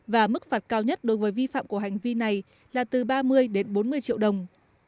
và mức phạt cao nhất đối với vi phạm của hành vi này là từ ba mươi đến bốn mươi triệu đồng